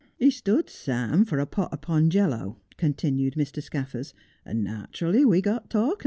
' He stood sam for a pot o' pongelo,' continued Mr Scaffers, ' and narchurly we got talkin'.